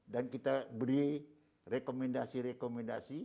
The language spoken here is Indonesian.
dan kita beri rekomendasi rekomendasi